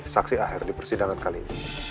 saksi aher di persidangan kali ini